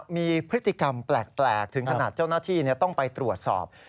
มีพฤติกรรมแปลกถึงขนาดเจ้าหน้าที่ต้องไปตรวจสอบ